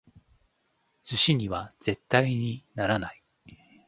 寿司には絶対にならない！